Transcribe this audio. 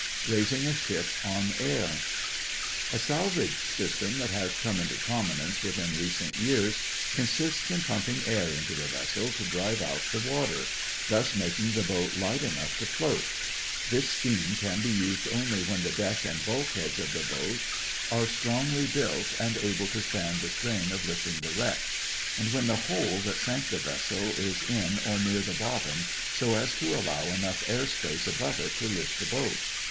RAISING A SHIP ON AIR A salvage system that has come into prominence within recent years consists in pumping air into the vessel to drive the water out, thus making the boat light enough to float. This scheme can be used only when the deck and bulkheads of the boat are strongly built and able to stand the strain of lifting the wreck, and when the hole that sank the vessel is in or near the bottom, so as to allow enough airspace above it to lift the boat.